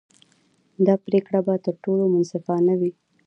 دا پرېکړه به تر ټولو منصفانه وي.